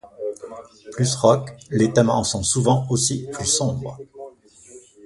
Plus rock, les thèmes en sont souvent aussi plus sombres.